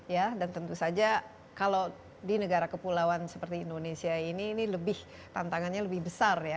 ya dan tentu saja kalau di negara kepulauan seperti indonesia ini lebih tantangannya lebih besar ya